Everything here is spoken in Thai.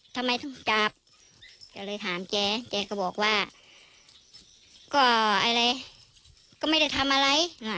ทำไมจับจะเลยถามเจ๊เจ๊ก็บอกว่าก็อะไรก็ไม่ได้ทำอะไรน่ะ